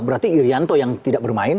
berarti irianto yang tidak bermain